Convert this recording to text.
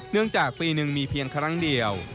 จากปีหนึ่งมีเพียงครั้งเดียว